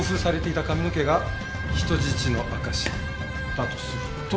だとすると。